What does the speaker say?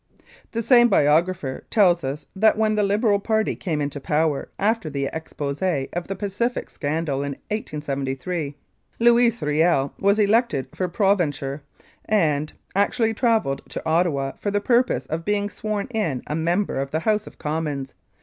The same biographer tells us that when the Liberal Party came into power after the ex post of the "Pacific Scandal" in 1873. Louis Riel was elected for Provencher, and " actually travelled to Ottawa for the purpose of being sworn in a member of the House of Commons.